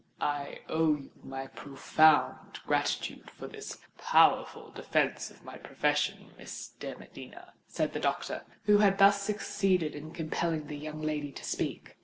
"I owe you my profound gratitude for this powerful defence of my profession, Miss de Medina," said the doctor, who had thus succeeded in compelling the young lady to speak.